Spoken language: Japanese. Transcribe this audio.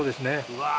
うわ